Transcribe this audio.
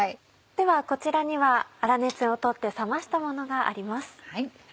ではこちらには粗熱をとって冷ましたものがあります。